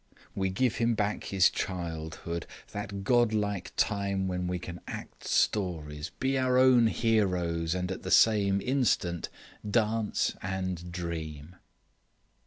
We give him back his childhood, that godlike time when we can act stories, be our own heroes, and at the same instant dance and dream."